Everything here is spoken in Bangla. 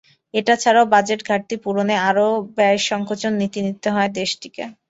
এটা ছাড়াও বাজেট ঘাটতি পূরণে আরও ব্যয় সংকোচন নীতি নিতে হয় দেশটিকে।